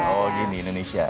oh gini indonesia